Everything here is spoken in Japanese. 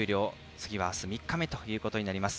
次は明日、３日目ということになります。